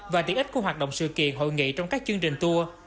và tiện ích của hoạt động sự kiện hội nghị trong các chương trình tour